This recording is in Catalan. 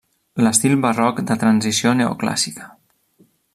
L'estil barroc de transició neoclàssica.